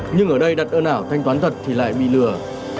nhưng ở đây đặt ơ ảo thanh toán thật thì lại bị lừa